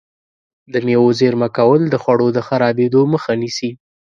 د مېوو زېرمه کول د خوړو د خرابېدو مخه نیسي.